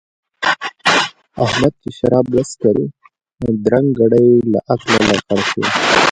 احمد چې شراب وڅښل؛ درنګ ګړۍ له عقله لغړ شو.